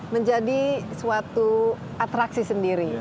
menjadi suatu atraksi sendiri